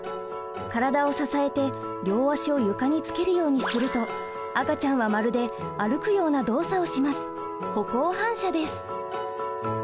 体を支えて両足を床につけるようにすると赤ちゃんはまるで歩くような動作をします。